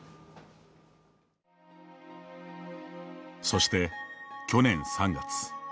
そして、去年３月。